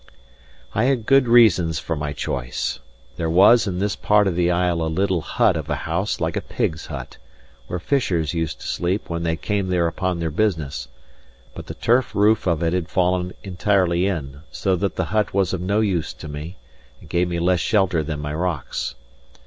I had good reasons for my choice. There was in this part of the isle a little hut of a house like a pig's hut, where fishers used to sleep when they came there upon their business; but the turf roof of it had fallen entirely in; so that the hut was of no use to me, and gave me less shelter than my rocks.